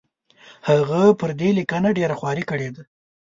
هغه پر دې لیکنه ډېره خواري کړې ده.